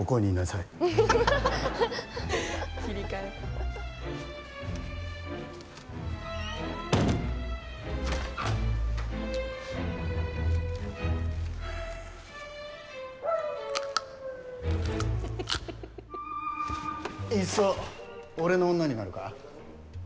いっそ俺の女になるか。